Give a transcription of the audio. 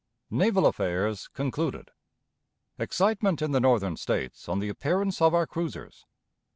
Naval Affairs (concluded). Excitement in the Northern States on the Appearance of our Cruisers.